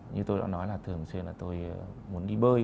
như tôi đã nói là thường xuyên là tôi